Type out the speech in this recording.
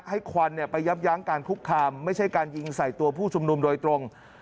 ควันไปยับยั้งการคุกคามไม่ใช่การยิงใส่ตัวผู้ชุมนุมโดยตรง